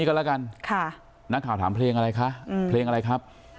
ขอบอกค่าขออีกทีเพลงทีเพลงไหนนะ